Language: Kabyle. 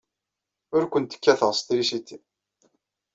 Ur kent-kkateɣ s trisiti.